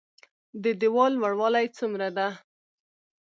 د ديوال لوړوالی څومره ده؟